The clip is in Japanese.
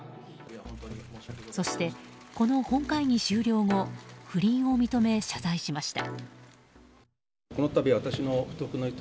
そして、この本会議終了後不倫を認め謝罪しました。